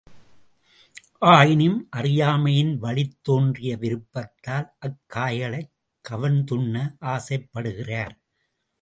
ஆயினும் அறியாமையின் வழித் தோன்றிய விருப்பத்தால் அக் காய்களைக் கவர்ந்துண்ண ஆசைப்படுகிறார்.